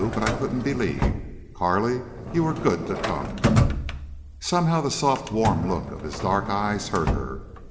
But I couldn't believe. Carley, you were good to come." Somehow the soft, warm look of his dark eyes hurt her.